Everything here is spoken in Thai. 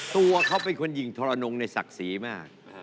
ตัวเขาเป็นคนหญิงทรนงในศักดิ์ศรีมาก